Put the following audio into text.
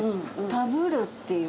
「食ぶる」っていう。